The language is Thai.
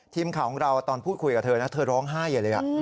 ทีมข่าวของเราตอนพูดคุยกับเธอเธอร้องไห้อย่างนี้